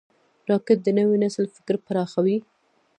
راکټ د نوي نسل فکر پراخوي